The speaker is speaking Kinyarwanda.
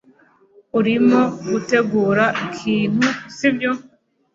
Urimo gutegura ikintu sibyo